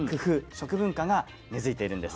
食文化が根づいているんです。